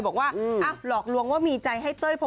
บอกว่าหลอกลวงว่ามีใจให้เต้ยพอ